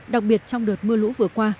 đặc biệt trong đợt mưa lũ vừa qua